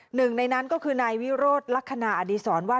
หนึ่งในนั้นก็คือนายวิโรธลักษณะอดีศรว่า